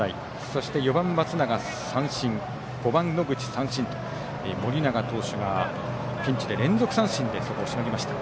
そして、４番の松永は三振５番、野口、三振と盛永投手がピンチで連続三振でしのぎました。